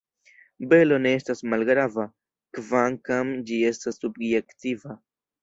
Belo ne estas malgrava, kvankam ĝi estas subjektiva.